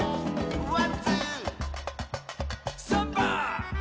「ワンツー」「サンバ！」